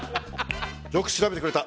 よく調べてくれた。